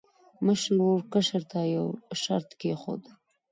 مشر ورور کشر ته یو شرط کېښود.